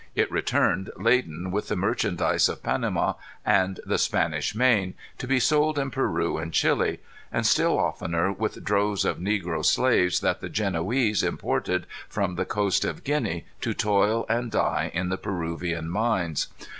It returned laden with the merchandise of Panama and the Spanish main, to be sold in Peru and Chili; and still oftener with droves of negro slaves that the Genoese imported from the coast of Guinea to toil and die in the Peruvian mines.